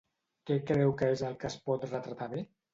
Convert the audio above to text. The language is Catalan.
Què creu que és el que es pot retratar bé?